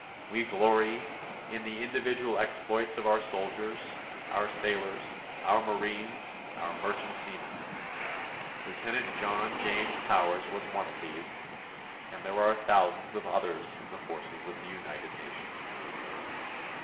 We glory in the individual exploits of our soldiers, our sailors, our marines, our merchant seamen. Lieutenant John James Powers was one of these and there are thousands of others in the forces of the United Nations.